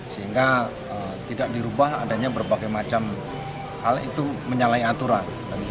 sehingga tidak dirubah adanya berbagai macam hal itu menyalahi aturan